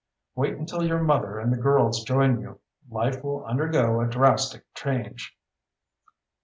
Wait until your mother and the girls join you. Life will undergo a drastic change."